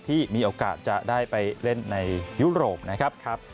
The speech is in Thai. ที่มีโอกาสจะได้ไปเล่นในยุโรปนะครับ